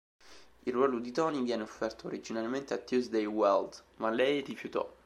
Il ruolo di Toni venne offerto originariamente a Tuesday Weld, ma lei rifiutò.